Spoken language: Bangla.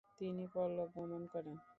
তিনি পরলোক গমন করেন ।